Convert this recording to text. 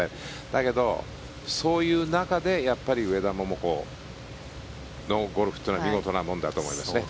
だけど、そういう中でやっぱり上田桃子のゴルフというのは見事なもんだと思いますね。